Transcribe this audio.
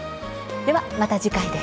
では、また次回です。